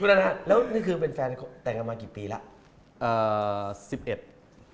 คุณนานาแล้วนี่คือเป็นแฟนแต่งมากี่ปีแล้ว